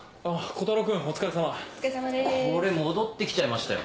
これ戻って来ちゃいましたよ。